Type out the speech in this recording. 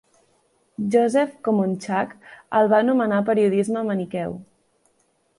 Joseph Komonchak el va anomenar periodisme maniqueu.